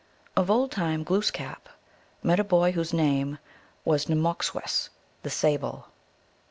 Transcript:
Of old time Glooskap met a boy whose name was NmmoTcswesS) the Sable.